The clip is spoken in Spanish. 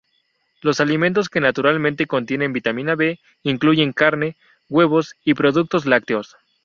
Los alimentos que naturalmente contienen vitamina B incluyen carne, huevos y productos lácteos.